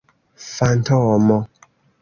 fantomo